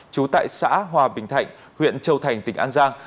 trú tại xã hòa bình thạnh huyện châu thành tỉnh an giang